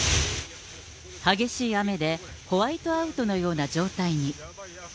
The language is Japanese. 激しい雨で、ホワイトアウトのような状態に。